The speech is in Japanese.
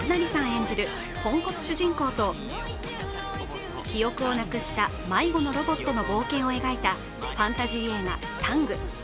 演じるポンコツ主人公と記憶をなくした迷子のロボットの冒険を描いたファンタジー映画「ＴＡＮＧタング」。